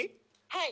「はい」